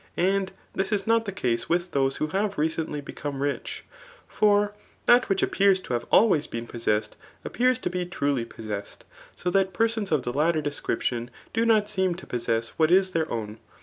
but this is not the case with those who have" rec^itly become rich; For that which appears to have always been possessQc}, appears to be truly possessed ^ so that persons of the latter descriptian^ do :nDt seem to' possess what is their own.